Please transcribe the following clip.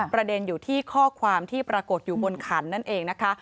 ประเด็นอยู่ที่ข้อความที่ปรากฏอยู่บนขันนั่นเองนะคะ